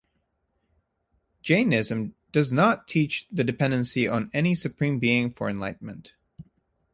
Jainism does not teach the dependency on any supreme being for enlightenment.